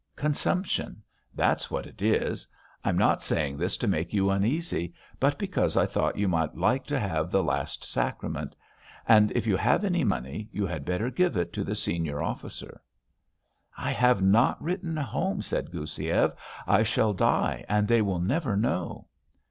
Consumption. That's what it is. I'm not saying this to make you uneasy, but because I thought you might like to have the last sacrament. And if you have any money, you had better give it to the senior officer." "I have not written home," said Goussiev. "I shall die and they will never know."